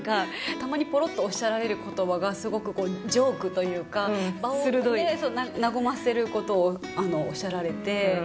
たまにぽろっとおっしゃられる言葉がすごくジョークというか場を和ませることをおっしゃられて。